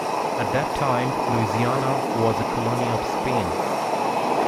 At that time Louisiana was a colony of Spain.